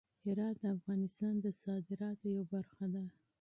هرات د افغانستان د صادراتو یوه برخه ده.